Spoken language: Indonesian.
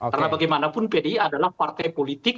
karena bagaimanapun pdi adalah partai politik